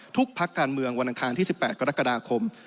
พักการเมืองวันอังคารที่๑๘กรกฎาคม